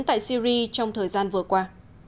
tại syri trong thời gian vừa qua